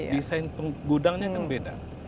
desain gudangnya kan beda